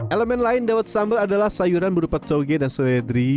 elemen lain dawet sambal adalah sayuran berupa toge dan seledri